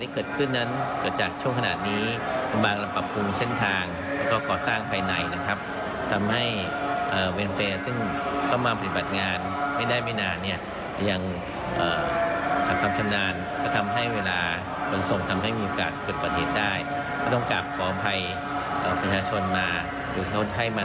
ขออภัยประชาชนมาให้มานัดที่นี้ด้วยนะครับขอบคุณครับ